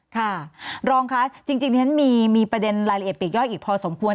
ค่ะรองคะจริงที่ฉันมีประเด็นรายละเอียดปีกย่อยอีกพอสมควร